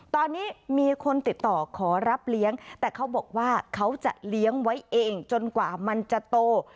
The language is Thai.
ตอนนี้มีคนติดต่อขอรับเลี้ยงแต่เขาบอกว่าเขาจะเลี้ยงไว้เองจนกว่ามันจะโต